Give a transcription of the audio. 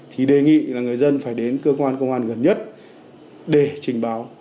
thì đề nghị là người dân phải đến cơ quan công an gần nhất để trình báo